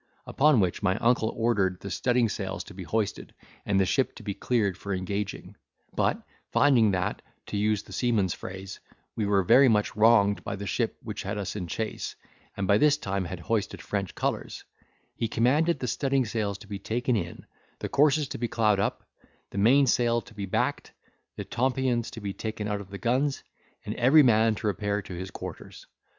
Upon which, my uncle ordered the studding sails to be hoisted and the ship to be cleared for engaging; but, finding that (to use the seaman's phrase) we were very much wronged by the ship which had us in chase, and by this time had hoisted French colours, he commanded the studding sails to be taken in, the courses to be clowed up, the main topsail to be backed, the tompions to be taken out of the guns, and every man to repair to his quarters.